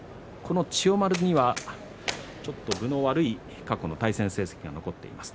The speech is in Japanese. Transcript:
千代丸には、ちょっと分の悪い過去の対戦成績が残っています。